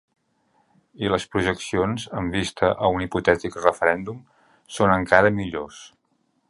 I les projeccions amb vista a un hipotètic referèndum són encara millors.